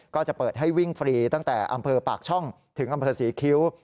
ก็จะเปิดให้วิ่งฟรีตั้งแต่อำเภอปากช่องถึงอำเภอศรีคิ้ว